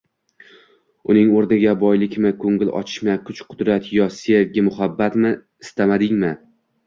Uning oʻrniga boylikmi, koʻngil ochishmi, kuch-qudrat yo sevgi-muhabbatmi istamadingmi